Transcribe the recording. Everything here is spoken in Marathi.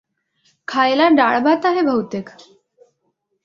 खायला डाळ भात आहे बहुतेक.